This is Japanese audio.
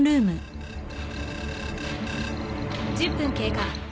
１０分経過。